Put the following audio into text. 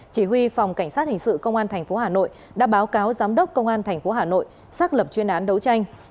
chỉ huy phòng cảnh sát hình sự công an tp hà nội đã báo cáo giám đốc công an tp hà nội xác lập chuyên án đấu tranh